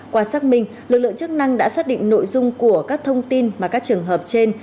qua xác minh lực lượng chức năng đã xác định nội dung của các thông tin mà các trường hợp trên